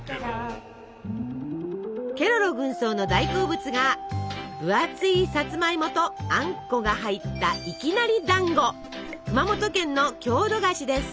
ケロロ軍曹の大好物が分厚いさつまいもとあんこが入った熊本県の郷土菓子です。